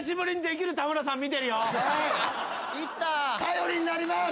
頼りになります。